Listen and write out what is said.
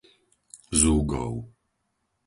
Zúgov